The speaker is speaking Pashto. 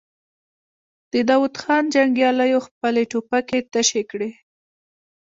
د داوود خان جنګياليو خپلې ټوپکې تشې کړې.